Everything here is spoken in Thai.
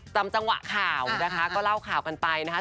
จังหวะข่าวนะคะก็เล่าข่าวกันไปนะคะ